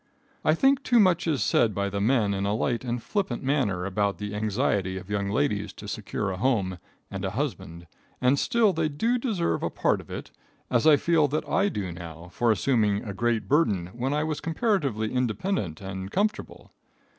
I think too much is said by the men in a light and flippant manner about the anxiety of young ladies to secure a home and a husband, and still they do deserve a part of it, as I feel that I do now for assuming a great burden when I was comparatively independent and comfortable.